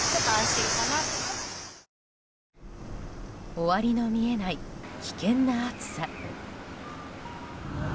終わりの見えない危険な暑さ。